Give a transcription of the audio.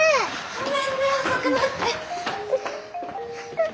ごめんね遅くなって。